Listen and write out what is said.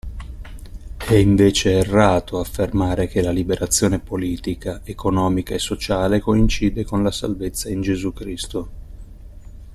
È, invece, errato affermare che la liberazione politica, economica e sociale coincide con la salvezza in Gesù Cristo.